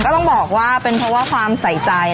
ต้องบอกว่าเป็นเพราะว่าความใส่ใจ